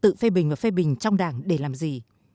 tự phê bình và phê bình trong đảng để làm gì